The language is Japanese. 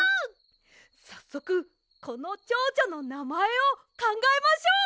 さっそくこのチョウチョのなまえをかんがえましょう！